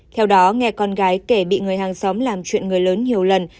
theo đó nghe con gái kể bị người hàng xóm làm chuyện người lớn nhiều lần